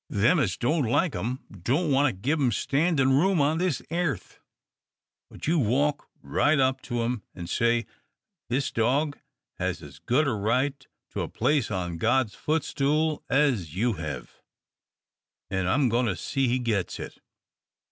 Them as don't like 'em don't want to give 'em standin' room on this airth, but you walk right up to 'em an' say, 'This dog has as good a right to a place on God's footstool as you hev, an' I'm goin' to see he gits it.